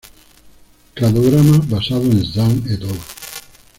Cladograma basado en Zhang "et al.